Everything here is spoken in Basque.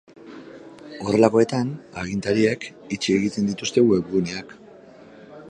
Horrelakoetan, agintariek itxi egiten dituzte webguneak.